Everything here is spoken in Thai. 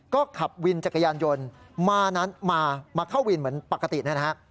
ก็ขับวินจักรยานยนต์มานั้นมาเข้าวินเหมือนปกตินะฮะ